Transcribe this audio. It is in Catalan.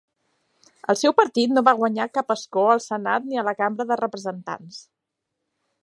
Els seu partit no va guanyar cap escó al Senat ni a la Cambra de Representants.